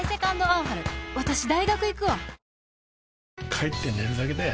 帰って寝るだけだよ